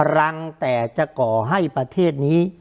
รังแต่จะก่อให้ประเทศนี้